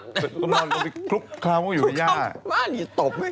มันก็ไปครุกคราวตกมาที่ตบ